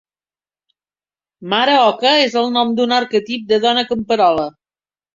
Mare Oca és el nom d'un arquetip de dona camperola.